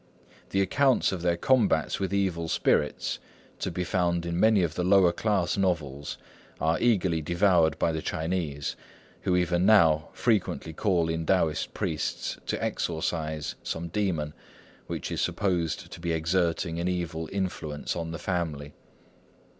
The accounts of their combats with evil spirits, to be found in many of the lower class novels, are eagerly devoured by the Chinese, who even now frequently call in Taoist priests to exorcise some demon which is supposed to be exerting an evil influence on the family.